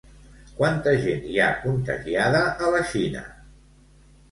Quanta gent hi ha contagiada a la Xina?